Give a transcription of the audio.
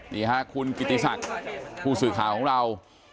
นี่ค่ะคุณกิติศักดิ์ผู้สื่อข่าวของเรา